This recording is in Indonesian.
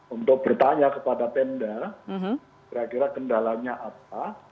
untuk bertanya kepada pemda kira kira kendalanya apa